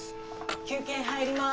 ・休憩入ります。